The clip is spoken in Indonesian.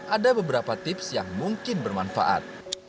ada beberapa tips yang mungkin bermanfaat